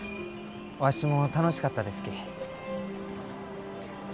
わしも楽しかったですき。